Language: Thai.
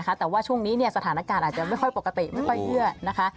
แต่ว่าช่วงนี้เนี่ยสถานการณ์อาจจะไม่ค่อยปกติไม่ค่อยเยื่อนะคะ